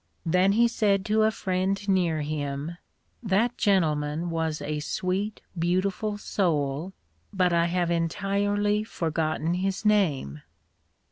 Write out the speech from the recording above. Then he said to a friend near him :' That gentleman was a sweet beautiful soul, but I have entirely for gotten his name.'